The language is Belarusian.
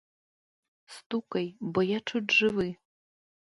Стукай, бо я чуць жывы!